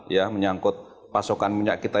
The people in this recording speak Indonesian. ya menyangkut pasokan minyak kita